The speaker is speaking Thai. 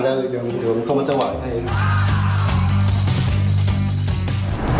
เดี๋ยวเขาจะไหว